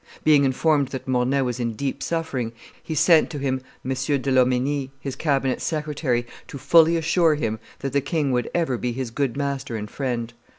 Being informed that Mornay was in deep suffering, he sent to him M. de LomLnie, his cabinet secretary, to fully assure him that the king would ever be his good master and friend.